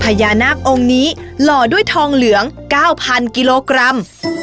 พญานาคองค์นี้หล่อด้วยทองเหลือง๙๐๐กิโลกรัม